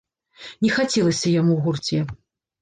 Не хацелася яму ў гурце.